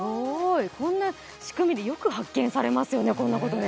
こんな仕組み、よく発見されますよね、こんなことね。